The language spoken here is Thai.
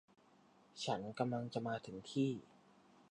ฉันกำลังจะมาถึงที่